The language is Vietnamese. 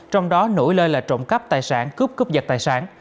trong đó nổi lên là trộm cắp tài sản cướp cướp giật tài sản